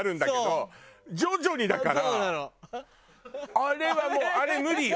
あれはもうあれ無理よ。